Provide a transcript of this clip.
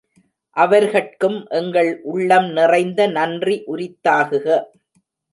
அவர்கட்கும் எங்கள் உள்ளம் நிறைந்த நன்றி உரித்தாகுக.